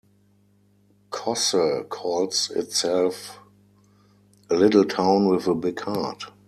Kosse calls itself A Little Town with a Big Heart.